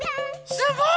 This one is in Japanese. すごい！